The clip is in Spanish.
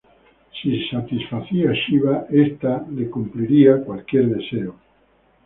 Si satisfacía a Shiva, este le cumpliría cualquier deseo.